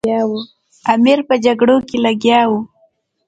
امیر په جګړو کې لګیا وو.